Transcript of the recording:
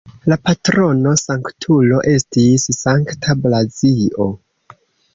La patrono-sanktulo estis Sankta Blazio.